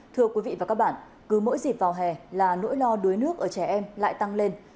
thưa quý vị và các bạn cứ mỗi dịp vào hè là nỗi lo đuối nước ở trẻ em lại tăng lên